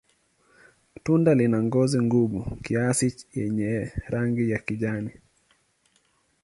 Tunda lina ngozi gumu kiasi yenye rangi ya kijani.